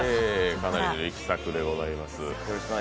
かなりの力作でございます。